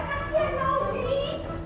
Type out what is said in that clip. kasian kau gini